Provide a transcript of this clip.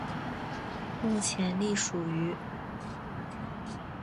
目前隶属于。